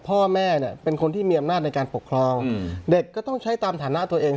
พ่อแม่เนี่ยเป็นคนที่มีอำนาจในการปกครองเด็กก็ต้องใช้ตามฐานะตัวเอง